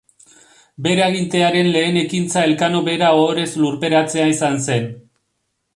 Bere agintearen lehen ekintza Elkano bera ohorez lurperatzea izan zen.